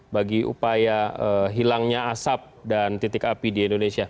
bagi upaya hilangnya asap dan titik api di indonesia